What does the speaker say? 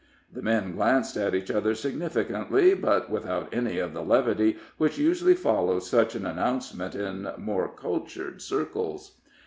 The men glanced at each other significantly, but without any of the levity which usually follows such an announcement in more cultured circles.